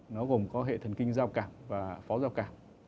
nó gồm có hệ thần kinh giao cảm và phó giao cảm